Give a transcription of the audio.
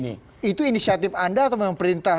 itu inisiatif anda atau memang perintah